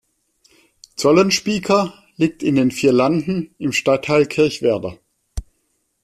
Zollenspieker liegt in den Vierlanden im Stadtteil Kirchwerder.